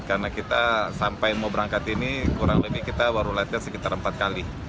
karena kita sampai mau berangkat ini kurang lebih kita baru latihan sekitar empat kali